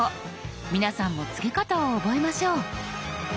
皆さんもつけ方を覚えましょう。